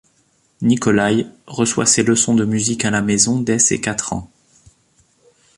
Nikolaï reçoit ses leçons de musique à la maison dès ses quatre ans.